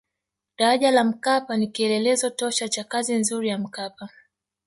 daraja la mkapa ni kielelezo tosha cha kazi nzuri ya mkapa